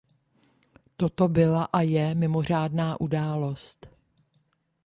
Toto byla a je mimořádná událost.